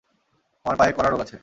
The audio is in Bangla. আমার পায়ে কড়া রোগ আছে।